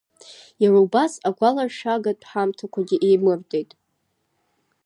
Иара убас агәаларшәагатә ҳамҭақәагьы еимырдеит.